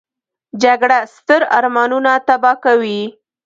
جګړه ستر ارمانونه تباه کوي